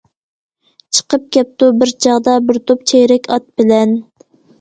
چىقىپ كەپتۇ بىر چاغدا، بىر توپ چېرىك ئات بىلەن.